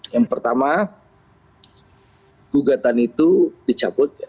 yang pertama gugatan itu dicabut